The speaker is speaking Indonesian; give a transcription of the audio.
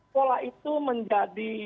pola itu menjadi